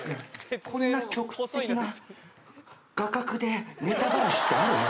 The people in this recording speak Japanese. こんな局地的な画角で、ネタばらしってある？